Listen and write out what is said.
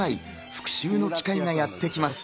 復讐の機会がやってきます。